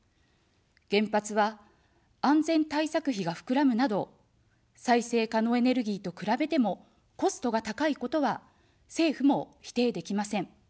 原発は安全対策費がふくらむなど、再生可能エネルギーと比べてもコストが高いことは政府も否定できません。